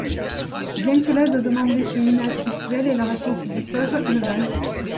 Bien que l'aide demandée fut inhabituelle et la réponse douteuse, elle vint.